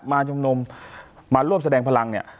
มาจำนวมมาร่วมแสดงพลังเนี่ย